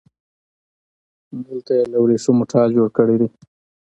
دلته يې له وريښمو ټال جوړ کړی دی